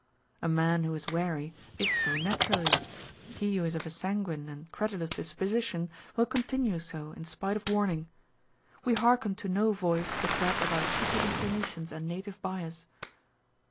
A man who is wary, is so naturally ; he who is of a sanguine and credulous disposition, will continue so in spite of warning ; we hearken to no voice but that of our secret inclinations 426 On Novelty and Familiarity. and native bias.